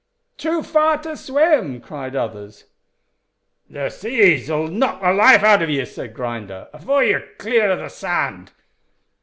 "Too far to swim," cried others. "The seas 'll knock the life out o' ye," said Grinder, "afore you're clear o' the sand."